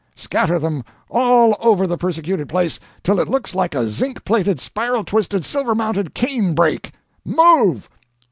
scatter them all over the persecuted place till it looks like a zinc plated, spiral twisted, silver mounted canebrake! Move!